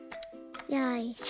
よいしょ。